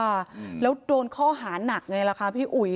ค่ะแล้วโดนข้อหานักไงล่ะคะพี่อุ๋ย